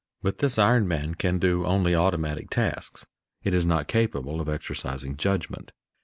But this iron man can do only automatic tasks; it is not capable of exercising judgment.